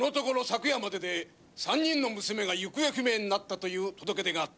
昨夜までで三人の娘が行方不明になったと届け出があった。